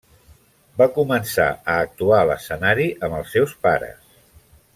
Va començar a actuar a l'escenari amb els seus pares.